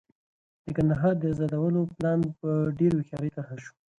د کندهار د ازادولو پلان په ډېره هوښیارۍ طرح شو.